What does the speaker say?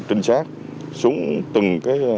trinh sát xuống từng